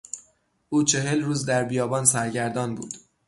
او چهل روز در بیابان سرگردان بود.